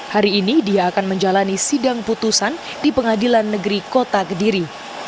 hari ini dia akan menjalani sidang putusan di pengadilan negeri kota kediri